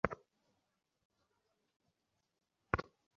কিন্তু রাত নয়টা বেজে গেলেও দ্বিতীয় অধিবেশনের কোনো কথাই সেখানে আলোচিত হয়নি।